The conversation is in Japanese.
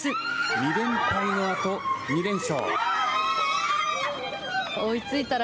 ２連敗のあと、２連勝。